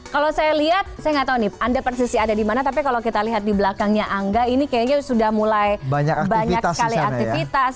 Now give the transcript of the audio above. kalau saya lihat saya nggak tahu nih anda persisnya ada di mana tapi kalau kita lihat di belakangnya angga ini kayaknya sudah mulai banyak sekali aktivitas